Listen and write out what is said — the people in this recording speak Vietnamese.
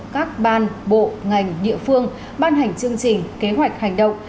các ban bộ ngành địa phương ban hành chương trình kế hoạch hành động